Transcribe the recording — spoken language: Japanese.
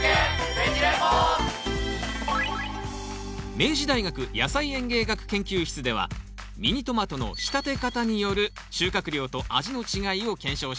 明治大学野菜園芸学研究室ではミニトマトの仕立て方による収穫量と味の違いを検証します。